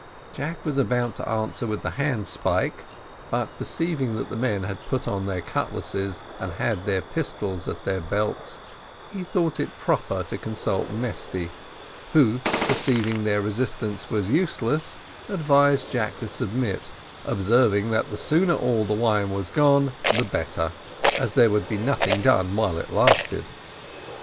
Jack was about to answer with the handspike; but perceiving that the men had all put on their cutlasses, and had their pistols at their belts, he thought proper to consult Mesty, who, perceiving that resistance was useless, advised Jack to submit, observing, that the sooner all the wine was gone the better, as there would be nothing done while it lasted.